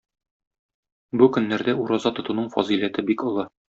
Бу көннәрдә ураза тотуның фазыйләте бик олы.